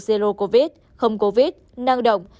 zero covid không covid năng động